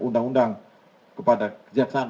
undang undang kepada jaksaan